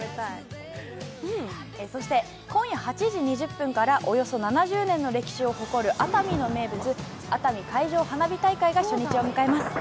そして今夜８時２０分からおよそ７０年の歴史を誇る熱海の名物、熱海海上花火大会が初日を迎えます。